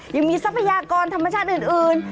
ทรัพยากรธรรมชาติอื่น